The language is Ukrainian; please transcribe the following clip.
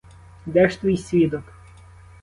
Де ж твій свідок?